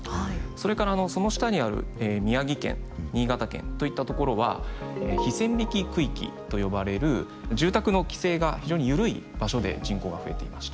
それからその下にある宮城県新潟県といったところは非線引き区域と呼ばれる住宅の規制が非常に緩い場所で人口が増えていました。